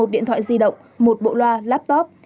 một mươi một điện thoại di động một bộ loa laptop